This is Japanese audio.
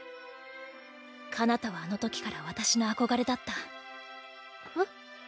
かなたはあの時から私の憧れだった。えっ？